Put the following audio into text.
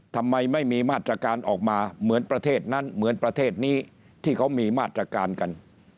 ทำไมไม่มีมาตรการออกมาเหมือนประเทศนั้นเหมือนประเทศนี้ที่เขามีมาตรการกัน